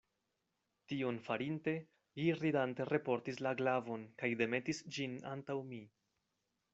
Tion farinte, li ridante reportis la glavon, kaj demetis ĝin antaŭ mi.